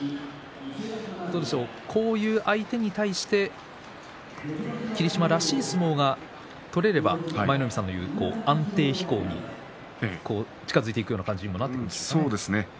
どうでしょうこういう相手に対して霧島らしい相撲が取れれば舞の海さんの言う安定飛行に近づいていくような感じにそうですね。